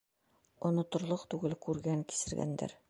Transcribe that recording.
Оноторлоҡ түгел күргән-кисергәндәр.